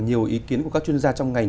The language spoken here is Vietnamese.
nhiều ý kiến của các chuyên gia trong ngành